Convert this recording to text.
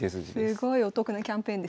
すごいお得なキャンペーンですね。